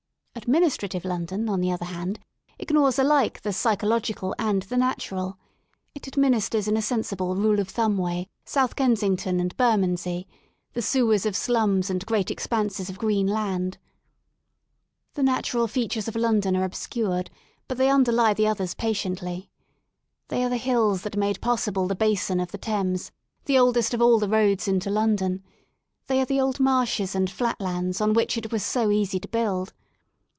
Administrative London, on the other hand, ignores alike the psychological and the natural. It administers in a sensible rule of thumb way South Kensington and Bermondsey, the sewers of slums and great ex panses of green land* The natural features of London are obscured* but they underlie the others patiently. They are the hills that made possible the basin of the Thames, the oldest of all the roads into London; they are the old marshes and flat lands on which it was so easy to build.